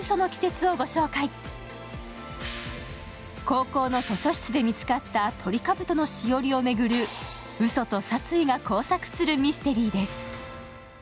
高校の図書室で見つかったトリカブトの栞を巡る、うそと殺意が交錯するミステリーです。